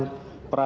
alat bukti surat